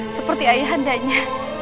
seperti ayah andanya